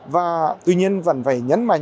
và tuy nhiên vẫn phải nhấn mạnh